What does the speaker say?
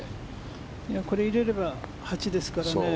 これ、入れれば８ですからね。